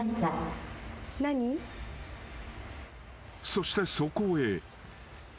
［そしてそこへ］